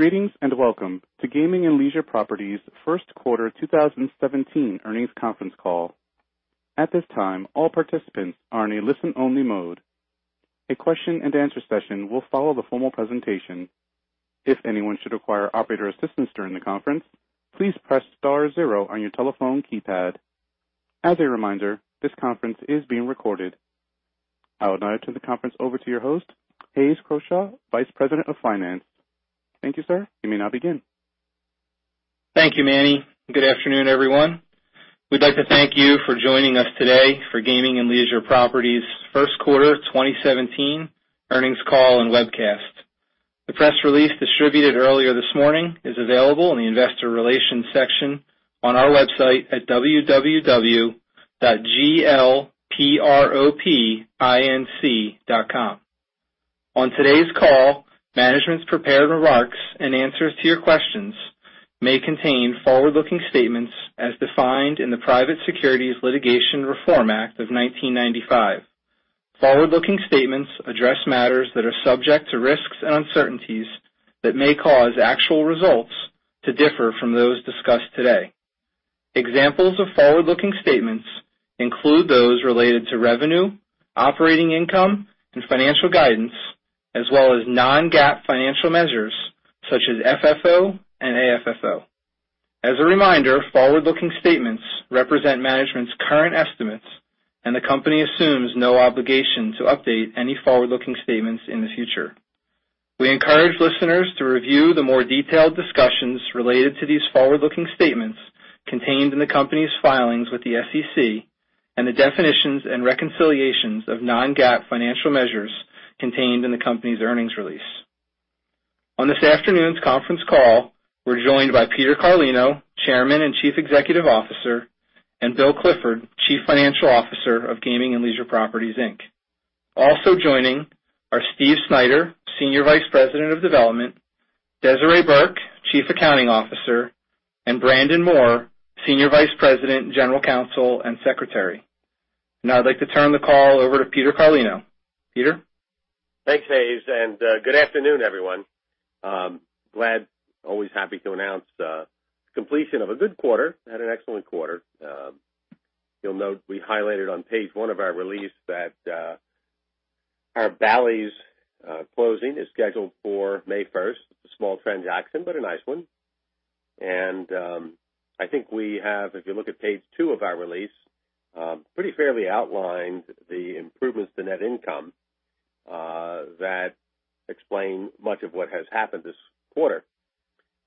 Greetings and welcome to Gaming and Leisure Properties' first quarter 2017 earnings conference call. At this time, all participants are in a listen-only mode. A question and answer session will follow the formal presentation. If anyone should require operator assistance during the conference, please press star zero on your telephone keypad. As a reminder, this conference is being recorded. I would now turn the conference over to your host, Hayes Croushore, Vice President of Finance. Thank you, sir. You may now begin. Thank you, Manny. Good afternoon, everyone. We'd like to thank you for joining us today for Gaming and Leisure Properties' first quarter 2017 earnings call and webcast. The press release distributed earlier this morning is available in the investor relations section on our website at www.glpropinc.com. On today's call, management's prepared remarks and answers to your questions may contain forward-looking statements as defined in the Private Securities Litigation Reform Act of 1995. Forward-looking statements address matters that are subject to risks and uncertainties that may cause actual results to differ from those discussed today. Examples of forward-looking statements include those related to revenue, operating income, and financial guidance, as well as non-GAAP financial measures such as FFO and AFFO. As a reminder, forward-looking statements represent management's current estimates, and the company assumes no obligation to update any forward-looking statements in the future. We encourage listeners to review the more detailed discussions related to these forward-looking statements contained in the company's filings with the SEC and the definitions and reconciliations of non-GAAP financial measures contained in the company's earnings release. On this afternoon's conference call, we're joined by Peter Carlino, Chairman and Chief Executive Officer, and Bill Clifford, Chief Financial Officer of Gaming and Leisure Properties, Inc. Also joining are Steve Snyder, Senior Vice President of Development, Desiree Burke, Chief Accounting Officer, and Brandon Moore, Senior Vice President, General Counsel, and Secretary. I'd like to turn the call over to Peter Carlino. Peter? Thanks, Hayes, good afternoon, everyone. Always happy to announce the completion of a good quarter. Had an excellent quarter. You'll note we highlighted on page one of our release that our Bally's closing is scheduled for May 1st. A small transaction, but a nice one. I think we have, if you look at page two of our release, pretty fairly outlined the improvements to net income that explain much of what has happened this quarter.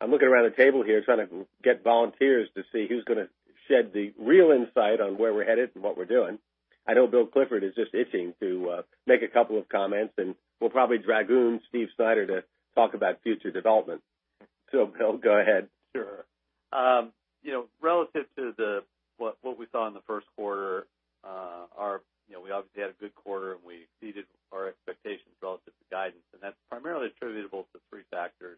I'm looking around the table here trying to get volunteers to see who's going to shed the real insight on where we're headed and what we're doing. I know Bill Clifford is just itching to make a couple of comments, and we'll probably dragoon Steve Snyder to talk about future development. Bill, go ahead. Sure. Relative to what we saw in the first quarter, we obviously had a good quarter. That's primarily attributable to three factors,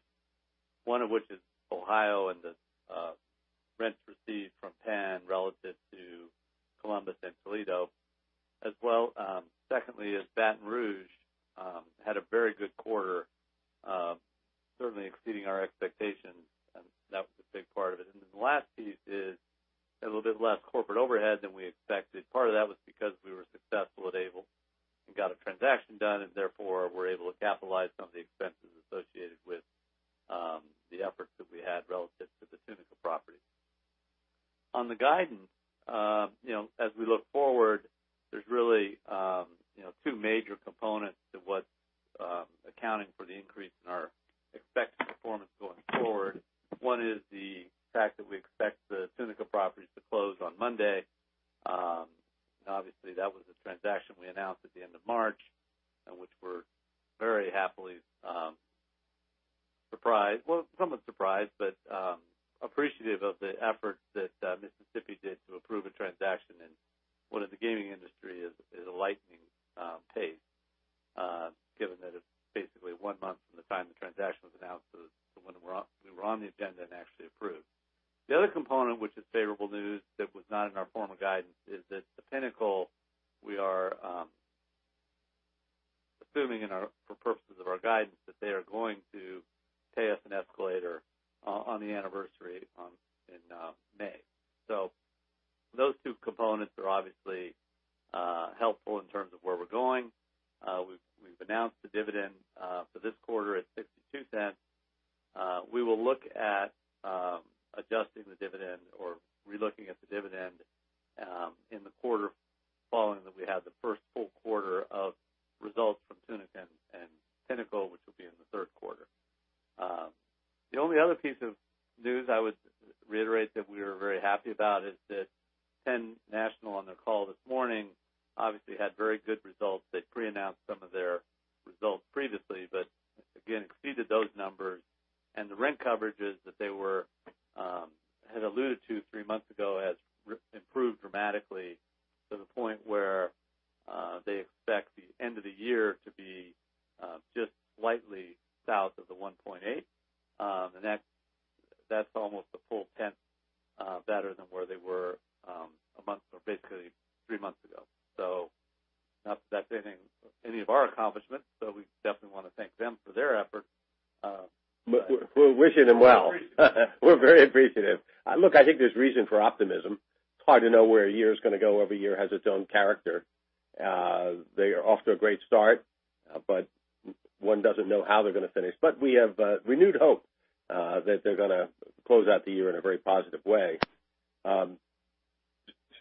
one of which is Ohio and the rents received from Penn relative to Columbus and Toledo. Secondly is Baton Rouge had a very good quarter, certainly exceeding our expectations. That was a big part of it. The last piece is a little bit less corporate overhead than we expected. Part of that was because we were successful at Abel and got a transaction done, and therefore, were able to capitalize some of the expenses associated with the efforts that we had relative to the Tunica property. On the guidance, as we look forward, there's really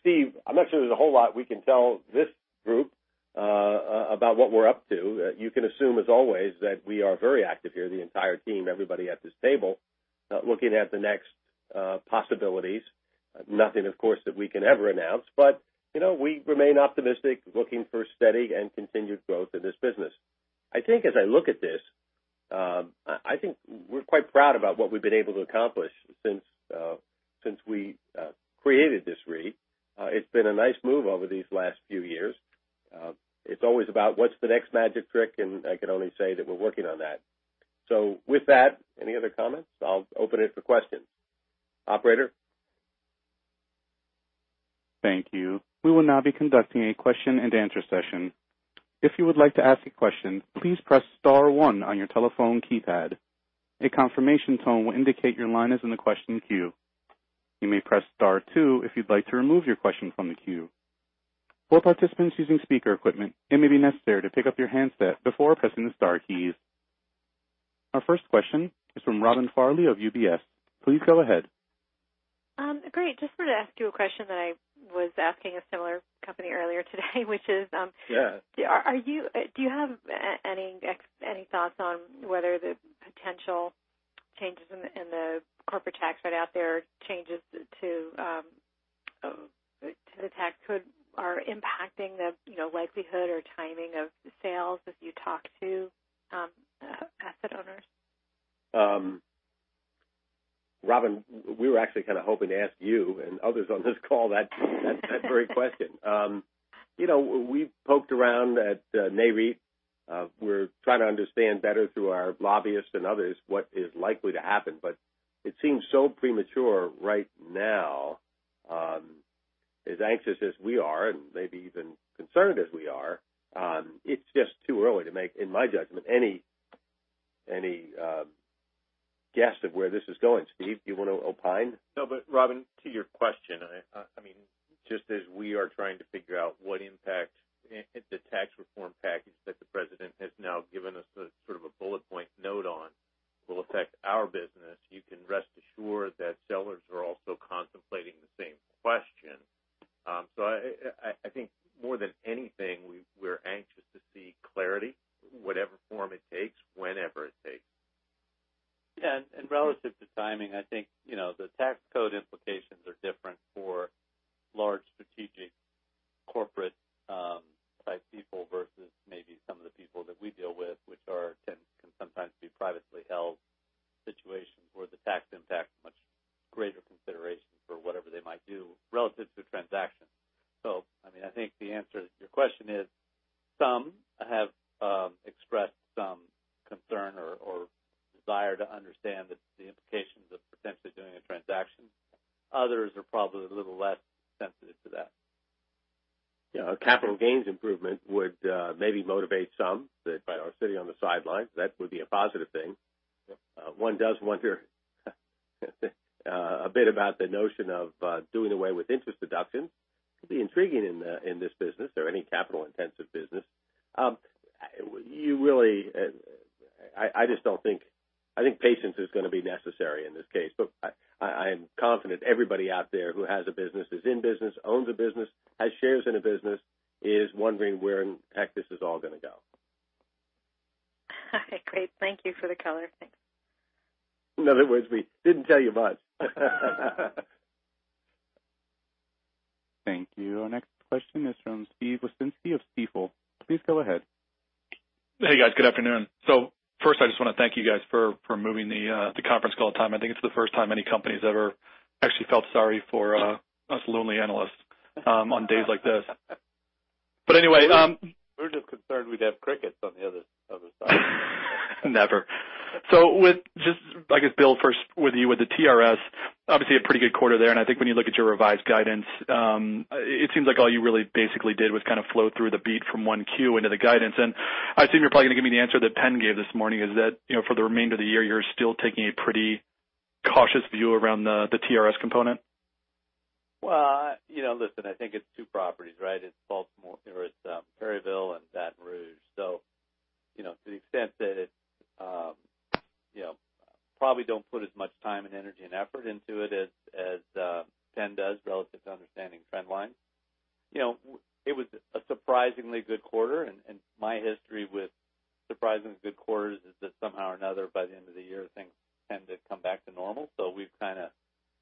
Steve, I'm not sure there's a whole lot we can tell this group about what we're up to. You can assume, as always, that we are very active here, the entire team, everybody at this table, looking at the next possibilities. Nothing, of course, that we can ever announce, we remain optimistic, looking for steady and continued growth in this business. I think as I look at this, I think we're quite proud about what we've been able to accomplish since we created this REIT. It's been a nice move over these last few years. It's always about what's the next magic trick, I can only say that we're working on that. With that, any other comments? I'll open it for questions. Operator? Thank you. We will now be conducting a question and answer session. If you would like to ask a question, please press star one on your telephone keypad. A confirmation tone will indicate your line is in the question queue. You may press star two if you'd like to remove your question from the queue. For participants using speaker equipment, it may be necessary to pick up your handset before pressing the star keys. Our first question is from Robin Farley of UBS. Please go ahead. Great. Just wanted to ask you a question that I was asking a similar company earlier today, which is- Yeah Do you have any thoughts on whether the potential changes in the corporate tax that out there changes to the tax code are impacting the likelihood or timing of sales as you talk to asset owners? Robin, we were actually kind of hoping to ask you and others on this call that very question. We've poked around at Nareit. We're trying to understand better through our lobbyists and others what is likely to happen, it seems so premature right now. As anxious as we are, and maybe even concerned as we are, it's just too early to make, in my judgment, any guess of where this is going. Steve, do you want to opine? No, Robin, to your question, just as we are trying to figure out what impact the tax reform package that the president has now given us a sort of a bullet point note on will affect our business, you can rest assured that sellers are also contemplating the same question. I think more than anything, we're anxious to see clarity, whatever form it takes, whenever it takes. Yeah, relative to timing, I think, the tax code implications are different for large strategic corporate-type people versus maybe some of the people that we deal with, which can sometimes be privately held situations where the tax impact is a much greater consideration for whatever they might do relative to transactions. I think the answer to your question is some have expressed some concern or desire to understand the implications of potentially doing a transaction. Others are probably a little less sensitive to that. A capital gains improvement would maybe motivate some that are sitting on the sidelines. That would be a positive thing. Yep. One does wonder a bit about the notion of doing away with interest deductions. Could be intriguing in this business or any capital-intensive business. I think patience is going to be necessary in this case, but I am confident everybody out there who has a business, is in business, owns a business, has shares in a business, is wondering where in heck this is all going to go. Great. Thank you for the color. Thanks. In other words, we didn't tell you much. Thank you. Our next question is from Steve Wieczynski of Stifel. Please go ahead. Hey, guys. Good afternoon. First, I just want to thank you, guys, for moving the conference call time. I think it's the first time any company's ever actually felt sorry for us lonely analysts on days like this. Anyway. We're just concerned we'd have crickets on the other side. Never. With just, I guess, Bill, first with you with the TRS, obviously a pretty good quarter there. I think when you look at your revised guidance, it seems like all you really basically did was kind of flow through the beat from 1Q into the guidance. I assume you're probably going to give me the answer that Penn gave this morning is that, for the remainder of the year, you're still taking a pretty cautious view around the TRS component? Listen, I think it's two properties, right? It's Perryville and Baton Rouge. To the extent that probably don't put as much time and energy and effort into it as Penn does relative to understanding trend lines. It was a surprisingly good quarter. My history with surprisingly good quarters is that somehow or another, by the end of the year, things tend to come back to normal.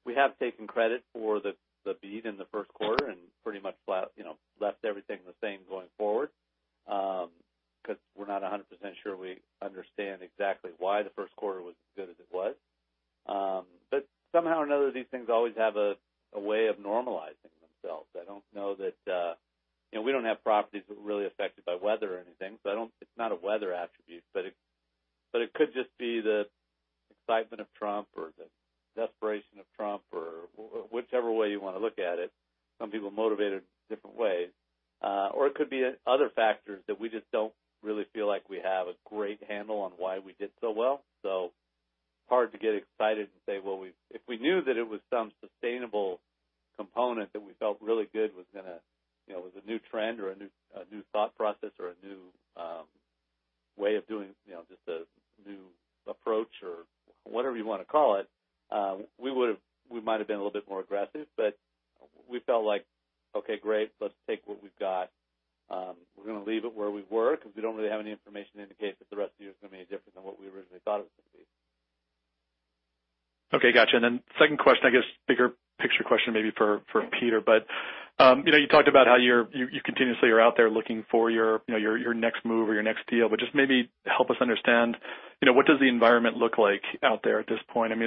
We have taken credit for the beat in the first quarter and pretty much left everything the same going forward, because we're not 100% sure we understand exactly why the first quarter was as good as it was. Somehow or another, these things always have a way of normalizing themselves. We don't have properties that are really affected by weather or anything, so it's not a weather attribute, but it could just be the excitement of Trump or the desperation of Trump or whichever way you want to look at it. Some people are motivated different ways. It could be other factors that we just don't really feel like we have a great handle on why we did so well. Hard to get excited and say, well, if we knew that it was some sustainable component that we felt really good was a new trend or a new thought process or a new way of doing just a new approach or whatever you want to call it, we might've been a little bit more aggressive. We felt like, okay, great, let's take what we've got. We're going to leave it where we were because we don't really have any information to indicate that the rest of the year is going to be any different than what we originally thought it was going to be. Okay. Got you. Second question, I guess, bigger picture question maybe for Peter. You talked about how you continuously are out there looking for your next move or your next deal, just maybe help us understand, what does the environment look like out there at this point? Do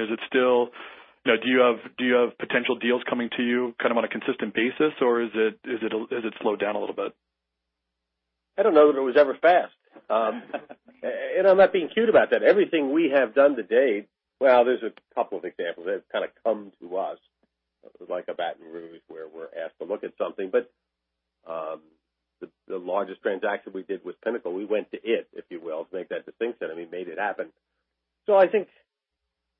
you have potential deals coming to you on a consistent basis, or has it slowed down a little bit? I don't know that it was ever fast. I'm not being cute about that. Everything we have done to date, well, there's a couple of examples that have kind of come to us, like a Baton Rouge, where we're asked to look at something. The largest transaction we did was Pinnacle. We went to it, if you will, to make that distinction. I mean, made it happen. I think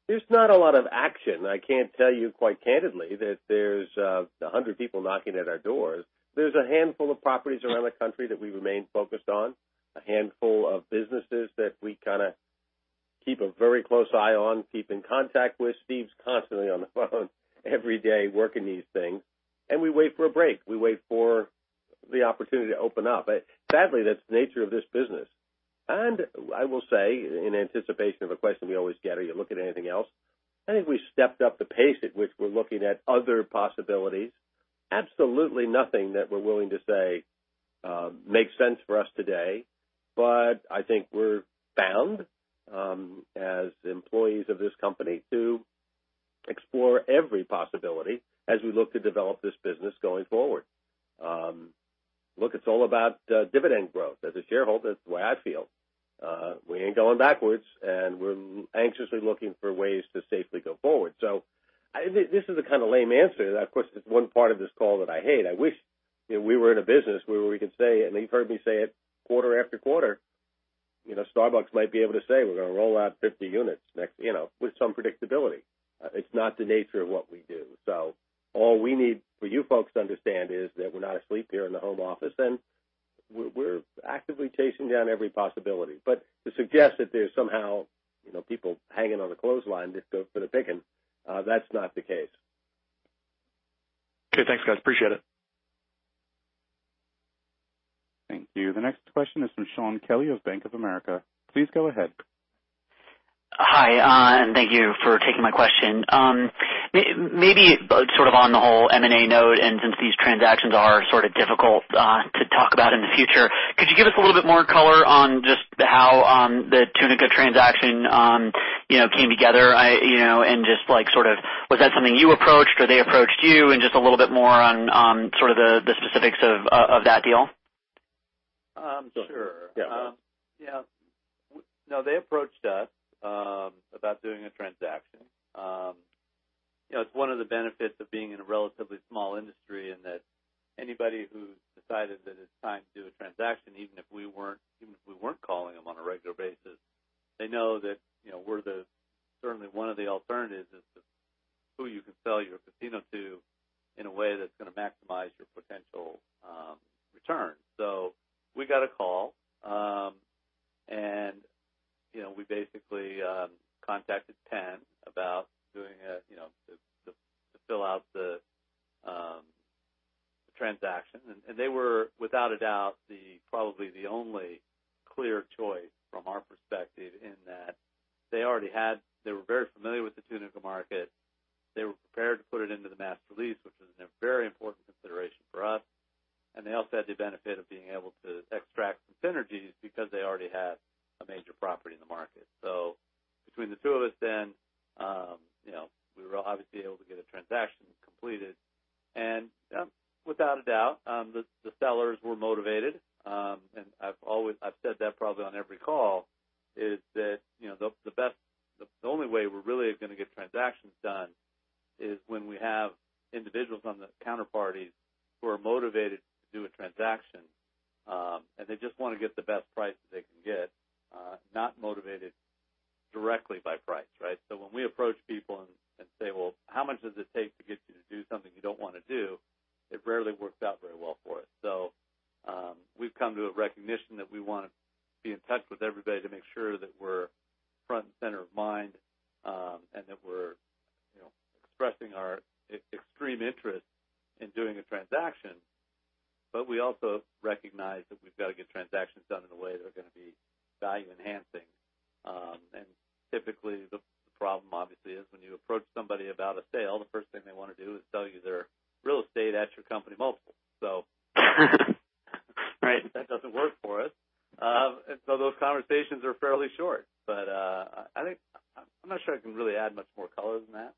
there's not a lot of action. I can't tell you quite candidly that there's 100 people knocking at our doors. There's a handful of properties around the country that we remain focused on, a handful of businesses that we kind of keep a very close eye on, keep in contact with. Steve's constantly on the phone every day working these things. We wait for a break. We wait for the opportunity to open up. Sadly, that's the nature of this business. I will say, in anticipation of a question we always get, are you looking at anything else? I think we stepped up the pace at which we're looking at other possibilities. Absolutely nothing that we're willing to say makes sense for us today, but I think we're bound as employees of this company to explore every possibility as we look to develop this business going forward. It's all about dividend growth. As a shareholder, that's the way I feel. We ain't going backwards, and we're anxiously looking for ways to safely go forward. This is a kind of lame answer. Of course, it's one part of this call that I hate. I wish we were in a business where we could say, and you've heard me say it quarter after quarter, Starbucks might be able to say, we're going to roll out 50 units next, with some predictability. It's not the nature of what we do. All we need for you folks to understand is that we're not asleep here in the home office, and we're actively chasing down every possibility. To suggest that there's somehow people hanging on a clothesline just for the picking, that's not the case. Okay. Thanks, guys. Appreciate it. Thank you. The next question is from Shaun Kelley of Bank of America. Please go ahead. Hi. Thank you for taking my question. Maybe sort of on the whole M&A note, since these transactions are sort of difficult to talk about in the future, could you give us a little bit more color on just how the Tunica transaction came together? Just like sort of, was that something you approached or they approached you? Just a little bit more on sort of the specifics of that deal. Sure. Yeah. No, they approached us about doing a transaction. It's one of the benefits of being in a relatively small industry in that anybody who's decided that it's time to do a transaction, even if we weren't calling them on a regular basis, they know that we're certainly one of the alternatives as to who you can sell your casino to in a way that's going to maximize your potential return. We got a call, and we basically contacted Penn to fill out the transaction. They were, without a doubt, probably the only clear choice from our perspective in that they were very familiar with the Tunica market. They were prepared to put it into the master lease, which was a very important consideration for us. They also had the benefit of being able to extract some synergies because they already had a major property in the market. Between the two of us then, we were obviously able to get a transaction completed. Without a doubt, the sellers were motivated. I've said that probably on every call, is that the only way we're really going to get transactions done is when we have individuals on the counterparties who are motivated to do a transaction, and they just want to get the best price that they can get, not motivated directly by price, right? When we approach people and say, "Well, how much does it take to get you to do something you don't want to do?" It rarely works out very well for us. We've come to a recognition that we want to be in touch with everybody to make sure that we're front and center of mind and that we're expressing our extreme interest in doing a transaction. We also recognize that we've got to get transactions done in a way that are going to be value-enhancing. Typically, the problem obviously is when you approach somebody about a sale, the first thing they want to do is sell you their real estate at your company multiple. Right that doesn't work for us. Those conversations are fairly short. I'm not sure I can really add much more color than that.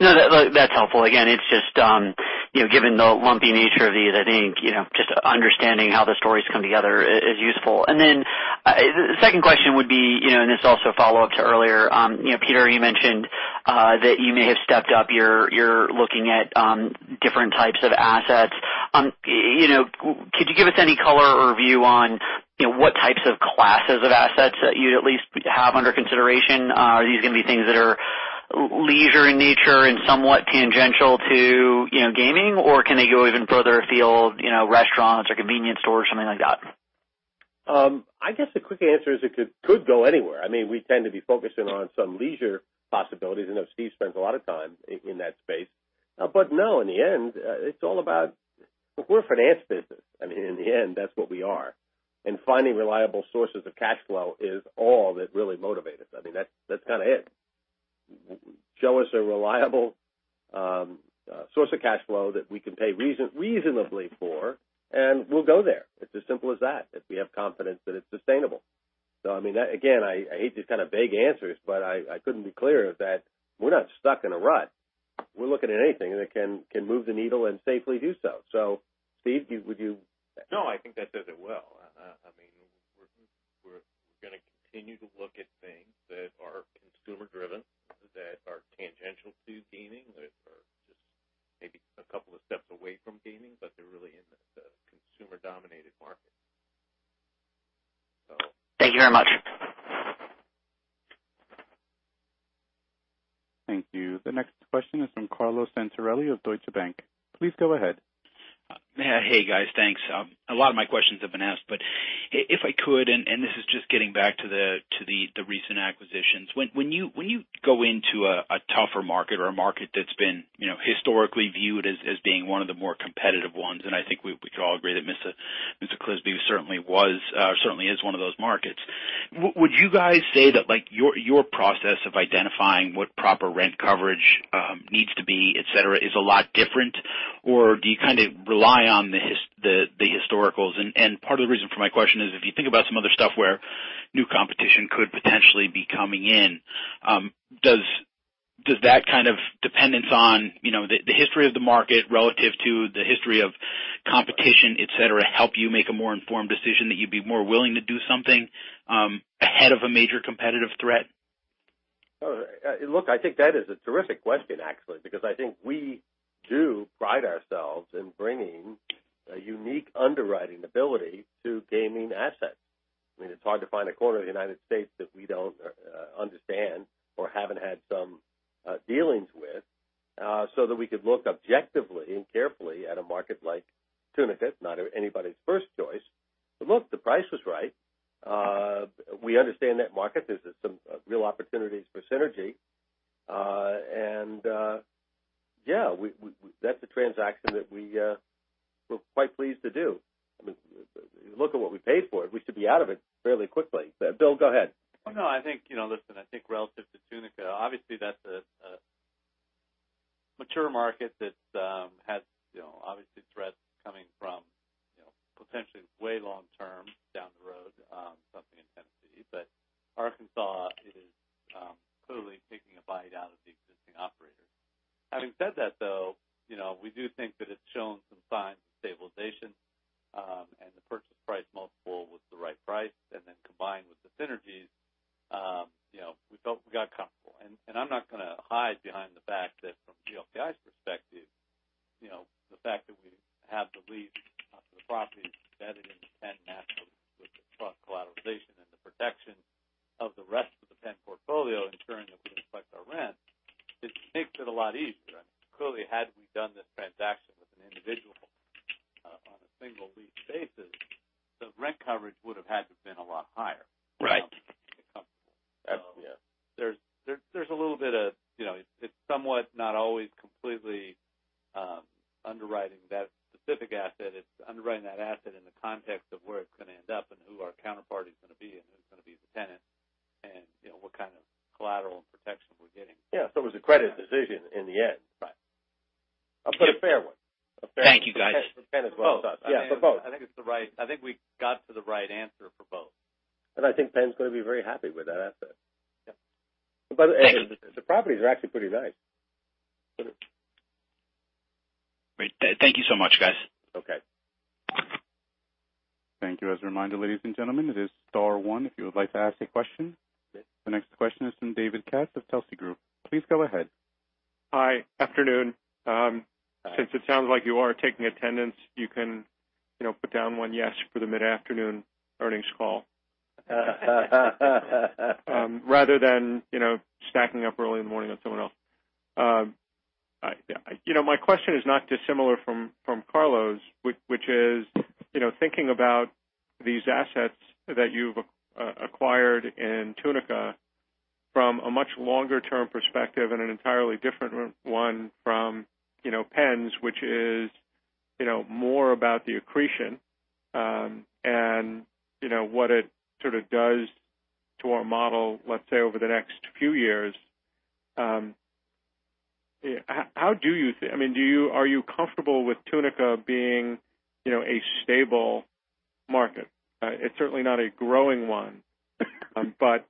No, that's helpful. Again, it's just given the lumpy nature of these, I think, just understanding how the stories come together is useful. The second question would be, and this is also a follow-up to earlier. Peter, you mentioned that you may have stepped up your looking at different types of assets. Could you give us any color or view on what types of classes of assets that you at least have under consideration? Are these going to be things that are leisure in nature and somewhat tangential to gaming, or can they go even further afield, restaurants or convenience stores, something like that? I guess the quick answer is it could go anywhere. We tend to be focusing on some leisure possibilities. I know Steve spends a lot of time in that space. No, in the end, it's all about We're a finance business. In the end, that's what we are. Finding reliable sources of cash flow is all that really motivate us. That's kind of it. Show us a reliable source of cash flow that we can pay reasonably for, and we'll go there. It's as simple as that, if we have confidence that it's sustainable. Again, I hate these kind of vague answers, but I couldn't be clearer that we're not stuck in a rut. We're looking at anything that can move the needle and safely do so. Steve, would you? No, I think that says it well. We're going to continue to look at things that are consumer driven, that are tangential to gaming, that are just maybe a couple of steps away from gaming, but they're really in the consumer-dominated market. Thank you very much. Thank you. The next question is from Carlo Santarelli of Deutsche Bank. Please go ahead. Hey, guys. Thanks. If I could, this is just getting back to the recent acquisitions. When you go into a tougher market or a market that's been historically viewed as being one of the more competitive ones, and I think we could all agree that Mr. Clisby certainly is one of those markets. Would you guys say that your process of identifying what proper rent coverage needs to be, et cetera, is a lot different? Do you kind of rely on the historicals? Part of the reason for my question is if you think about some other stuff where new competition could potentially be coming in, does that kind of dependence on the history of the market relative to the history of competition, et cetera, help you make a more informed decision that you'd be more willing to do something ahead of a major competitive threat? Look, I think that is a terrific question, actually, because I think we do pride ourselves in bringing a unique underwriting ability to gaming assets. It's hard to find a corner of the U.S. that we don't understand or haven't had some dealings with so that we could look objectively and carefully at a market like Tunica. It's not anybody's first choice. Look, the price was right. We understand that market. There's some real opportunities for synergy. Yeah, that's a transaction that we're quite pleased to do. Look at what we paid for it. We should be out of it fairly quickly. Bill, go ahead. No, listen, I think relative to Tunica, obviously that's a mature market that has obviously threats coming from potentially way long term down the road, something in Tennessee. Arkansas is clearly taking a bite out of the existing operators. Having said that, though, we do think that it's shown some signs of stabilization, the purchase price multiple was the right price, then combined with the synergies, we felt we got comfortable. I'm not going to hide behind the fact that from GLPI's perspective, the fact that we have the lease of the property embedded into Penn National with the trust collateralization and the protection of the rest of the Penn portfolio ensuring that we collect our rent, it makes it a lot easier. Clearly, had we done this transaction with an individual on a single lease basis, the rent coverage would have had to been a lot higher. Right. It's somewhat not always completely underwriting that specific asset. It's underwriting that asset in the context of where it's going to end up and who our counterpart is going to be and who's going to be the tenant and what kind of collateral and protection we're getting. Yeah. It was a credit decision in the end. Right. A fair one. Thank you, guys. Penn as well as us. Yeah, for both. I think we got to the right answer for both. I think Penn's going to be very happy with that asset. Yeah. By the way, the properties are actually pretty nice. Great. Thank you so much, guys. Okay. Thank you. As a reminder, ladies and gentlemen, it is star 1 if you would like to ask a question. The next question is from David Katz of Telsey Advisory Group. Please go ahead. Hi. Afternoon. Since it sounds like you are taking attendance, you can put down 1 yes for the mid-afternoon earnings call. Rather than stacking up early in the morning with someone else. My question is not dissimilar from Carlo's, which is thinking about these assets that you've acquired in Tunica from a much longer-term perspective and an entirely different one from Penn's, which is more about the accretion and what it sort of does to our model, let's say, over the next few years. Are you comfortable with Tunica being a stable market. It's certainly not a growing one. Are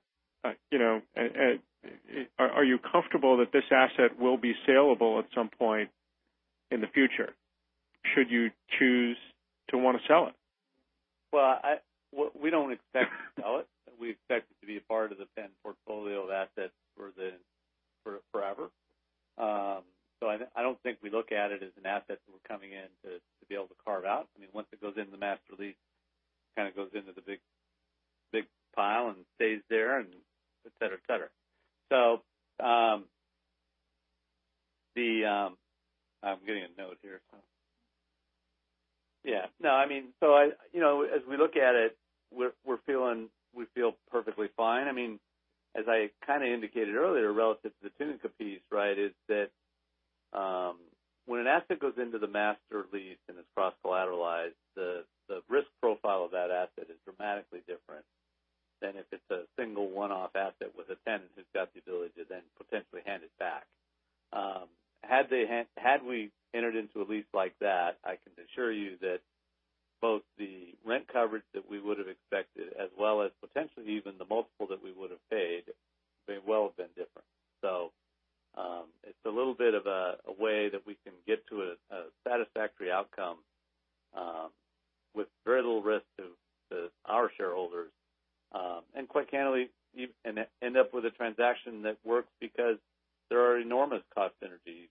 you comfortable that this asset will be saleable at some point in the future, should you choose to want to sell it? We don't expect to sell it. We expect it to be a part of the Penn portfolio of assets for forever. I don't think we look at it as an asset that we're coming in to be able to carve out. Once it goes into the master lease, kind of goes into the big pile and stays there and et cetera. I'm getting a note here. As we look at it, we feel perfectly fine. As I kind of indicated earlier, relative to the Tunica piece, is that when an asset goes into the master lease and is cross-collateralized, the risk profile of that asset is dramatically different than if it's a single one-off asset with a tenant who's got the ability to then potentially hand it back. Had we entered into a lease like that, I can assure you that both the rent coverage that we would've expected, as well as potentially even the multiple that we would've paid, may well have been different. It's a little bit of a way that we can get to a satisfactory outcome with very little risk to our shareholders. Quite candidly, end up with a transaction that works because there are enormous cost synergies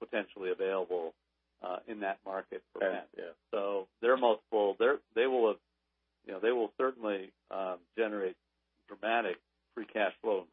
potentially available in that market for them. Okay. Yeah. Their multiple, they will certainly generate dramatic free cash flow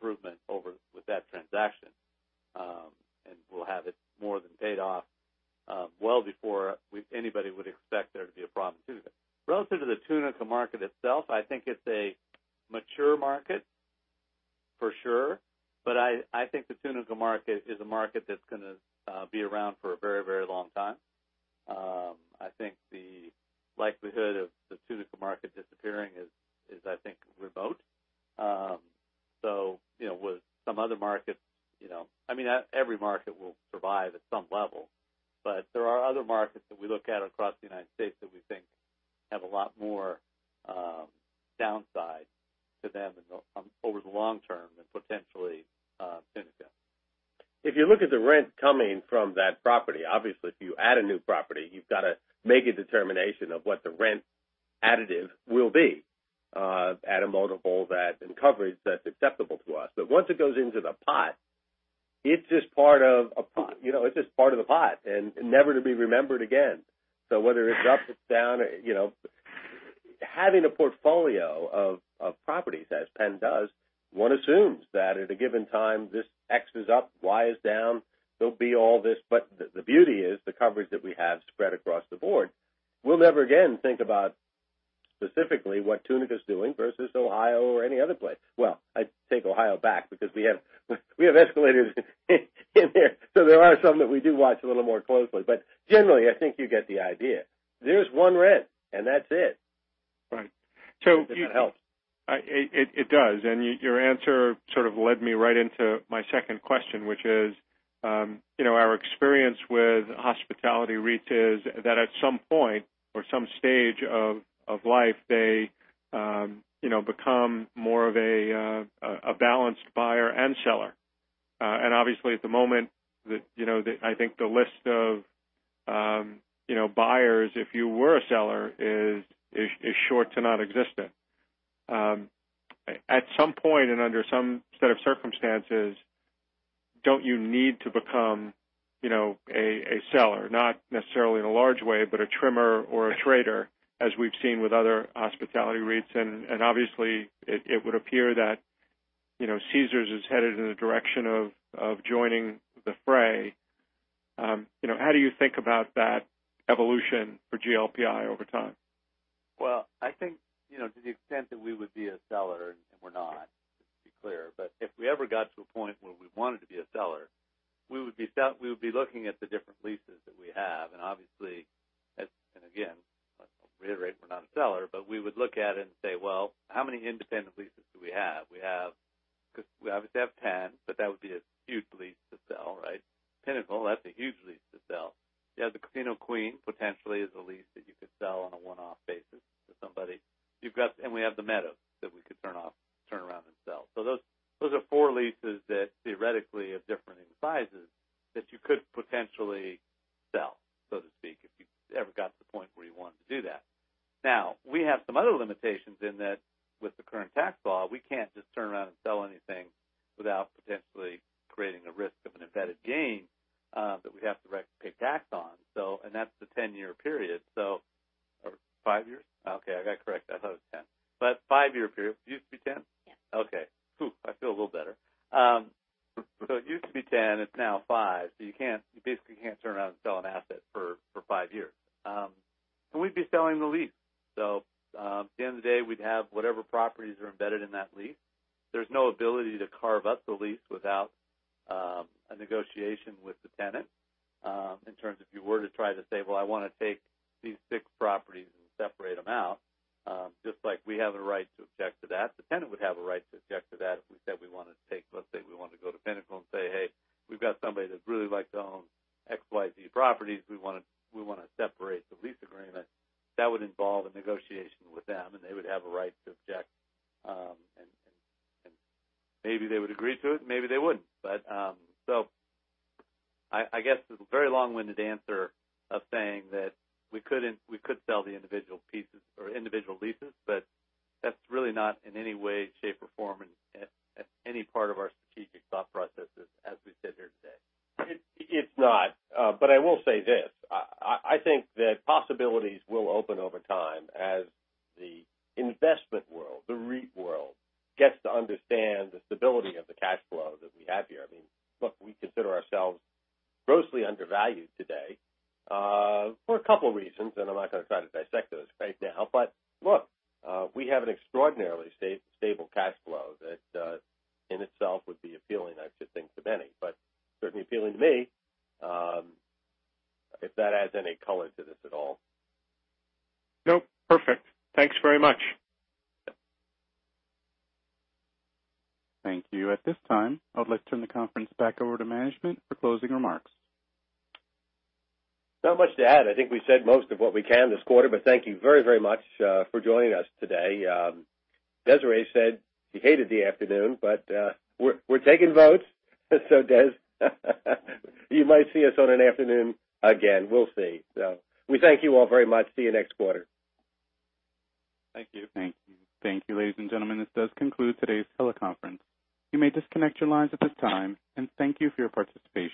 X is up, Y is down, there'll be all this. The beauty is the coverage that we have spread across the board. We'll never again think about specifically what Tunica is doing versus Ohio or any other place. Well, I take Ohio back because we have escalations in there, so there are some that we do watch a little more closely. Generally, I think you get the idea. There's one rent, and that's it. Right. If that helps. It does. Your answer sort of led me right into my second question, which is, our experience with hospitality REITs is that at some point or some stage of life, they become more of a balanced buyer and seller. Obviously, at the moment, I think the list of buyers, if you were a seller, is short to non-existent. At some point and under some set of circumstances, don't you need to become a seller? Not necessarily in a large way, but a trimmer or a trader, as we've seen with other hospitality REITs, obviously, it would appear that Caesars is headed in the direction of joining the fray. How do you think about that evolution for GLPI over time? Well, I think, to the extent that we would be a seller, and we're not, to be clear, but if we ever got to a point where we wanted to be a seller, we would be looking at the different leases that we have. Obviously, and again, I'll reiterate, we're not a seller, but we would look at it and say, "Well, how many independent leases do we have?" We obviously have Penn, but that would be a huge I guess this is a very long-winded answer of saying that we could sell the individual pieces or individual leases, but that's really not in any way, shape, or form, any part of our strategic thought processes, as we sit here today. It's not. I will say this, I think that possibilities will open over time as the investment world, the REIT world, gets to understand the stability of the cash flow that we have here. We consider ourselves grossly undervalued today, for a couple reasons, and I'm not going to try to dissect those right now. We have an extraordinarily stable cash flow that in itself would be appealing, I should think, to many, but certainly appealing to me. If that adds any color to this at all. Nope. Perfect. Thanks very much. Thank you. At this time, I would like to turn the conference back over to management for closing remarks. Not much to add. I think we said most of what we can this quarter. Thank you very much for joining us today. Desiree said she hated the afternoon. We're taking votes, so Des, you might see us on an afternoon again. We'll see. We thank you all very much. See you next quarter. Thank you. Thank you. Thank you, ladies and gentlemen, this does conclude today's teleconference. You may disconnect your lines at this time, and thank you for your participation